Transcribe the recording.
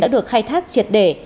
đã được khai thác triệt để